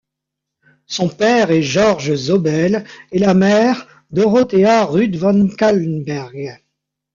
Son père est George Zobel et la mère, Dorothea Rüdt von Callnberg.